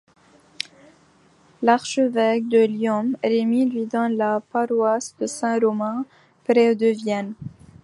L’archevêque de Lyon, Remy, lui donne la paroisse de Saint-Romain près de Vienne.